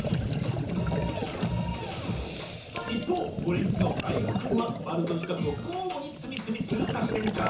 いっぽうオレンジのあゆむくんはまるとしかくをこうごにつみつみするさくせんか？